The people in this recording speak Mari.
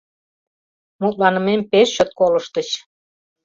Мутланымем пеш чот колыштыч...